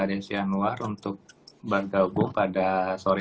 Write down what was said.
desya nuwar untuk bergabung pada sore